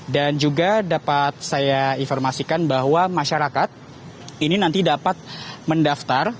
dan juga dapat saya informasikan bahwa masyarakat ini nanti dapat mendaftar